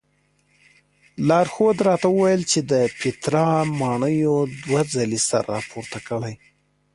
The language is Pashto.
لارښود راته وویل چې د پیترا ماڼیو دوه ځلې سر راپورته کړی.